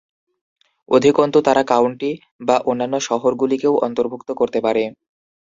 অধিকন্তু, তারা কাউন্টি বা অন্যান্য শহরগুলিকেও অন্তর্ভুক্ত করতে পারে।